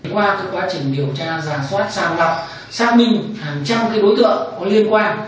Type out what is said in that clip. qua quá trình điều tra giả soát sang lọc xác minh hàng trăm đối tượng có liên quan